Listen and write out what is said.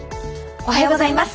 おはようございます。